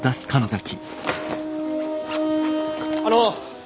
あの。